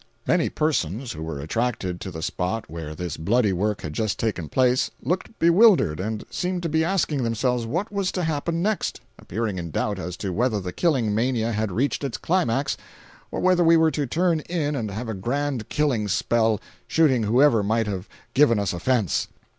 Many persons who were attracted to the spot where this bloody work had just taken place, looked bewildered and seemed to be asking themselves what was to happen next, appearing in doubt as to whether the killing mania had reached its climax, or whether we were to turn in and have a grand killing spell, shooting whoever might have given us offence.